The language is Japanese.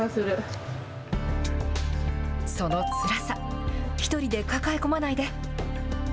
そのつらさ、一人で抱え込まないで。